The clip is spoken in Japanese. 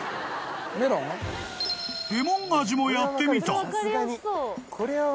［レモン味もやってみた］